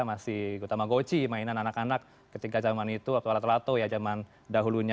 masih utama goci mainan anak anak ketika zaman itu atau alat lato ya zaman dahulunya